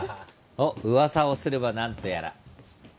おっ噂をすればなんとやら。